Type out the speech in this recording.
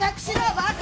バカ！